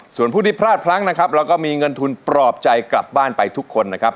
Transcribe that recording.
ส่วนผู้ที่พลาดพลั้งนะครับเราก็มีเงินทุนปลอบใจกลับบ้านไปทุกคนนะครับ